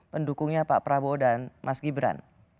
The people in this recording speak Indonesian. pendukungnya pak prabowo dan mas gibran